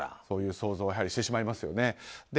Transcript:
そういう想像はしてしまいますよね。